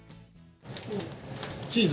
チーズ。